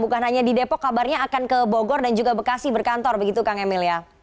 bukan hanya di depok kabarnya akan ke bogor dan juga bekasi berkantor begitu kang emil ya